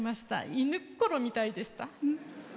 犬っころみたいでした。